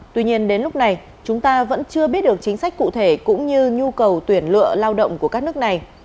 tuy nhiên đến lúc này chúng ta vẫn chưa biết được chính sách cụ thể cũng như nhu cầu tuyển lựa lao động của các nước này